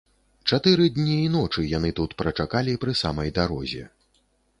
Чатыры дні і ночы яны тут прачакалі, пры самай дарозе.